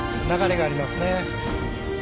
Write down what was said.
流れがありますね。